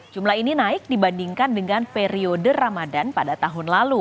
jumlah ini naik dibandingkan dengan periode ramadan pada tahun lalu